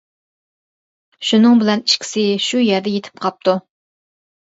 شۇنىڭ بىلەن ئىككىسى شۇ يەردە يېتىپ قاپتۇ.